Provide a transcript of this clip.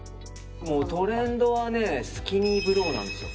トレンドはスキニーブローなんですよ。